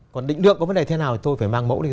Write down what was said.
còn định lượng có vấn đề thế nào tôi phải mang mẫu đi